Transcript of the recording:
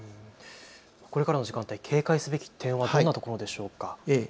これからの時間帯、警戒すべき点どんなところでしょうか。